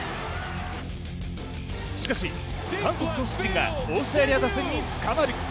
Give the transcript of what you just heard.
しかし韓国投手陣がオーストラリア打線につかまる。